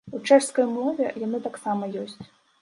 У чэшскай мове яны таксама ёсць.